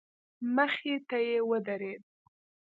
مخې ته يې ودرېد.